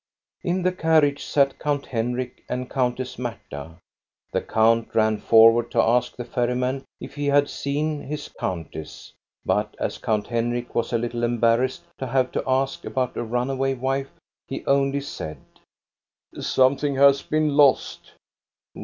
In the carriage sat Count Henrik and Countess Marta. The count ran forward to ask the ferryman if he had seen his countess. But as Count Henrik was a little embarrassed to have to ask about a run away wife, he only said :—" Something has been lost